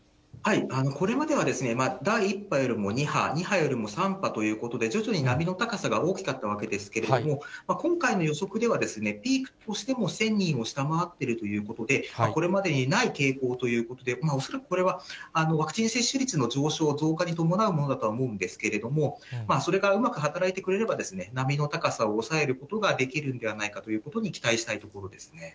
これまでは、第１波よりも２波、２波よりも３波ということで、徐々に波の高さが大きかったわけですけれども、今回の予測では、ピークとしても１０００人を下回っているということで、これまでにない傾向ということで、恐らくこれは、ワクチン接種率の上昇、増加に伴うものだと思うんですけれども、それがうまく働いてくれれば、波の高さを抑えることができるんではないかということに期待したいところですね。